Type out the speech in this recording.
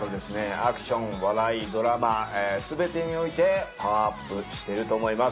アクション笑いドラマ全てにおいてパワーアップしてると思います。